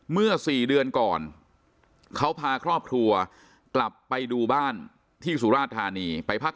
เมื่อ๔เดือนก่อนเขาพาครอบครัวกลับไปดูบ้านที่สุราธานีไปพัก